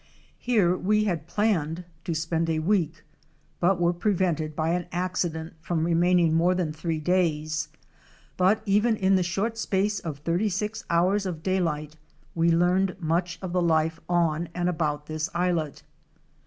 Here we had planned to spend a week, but were prevented by an accident from remaining more than three days, but even in the short space of thirty six hours of daylight we learned much of the life on and about this islet.